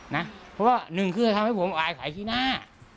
เพราะว่าหนึ่งคือจะทำให้ผมอายขายขี้หน้า